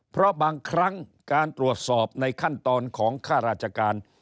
เพราะบางครั้งการตรวจสอบในขั้นตอนของข้าราชการ